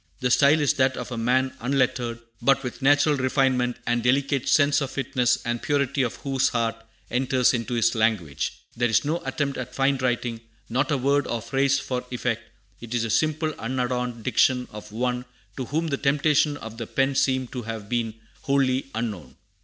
The style is that of a man unlettered, but with natural refinement and delicate sense of fitness, the purity of whose heart enters into his language. There is no attempt at fine writing, not a word or phrase for effect; it is the simple unadorned diction of one to whom the temptations of the pen seem to have been wholly unknown.